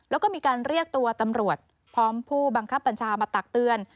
แล้วก็มีการเรียกตัวตำรวจพร้อมผู้บังคับบัญชามาตักเตือน